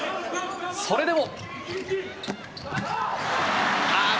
それでも。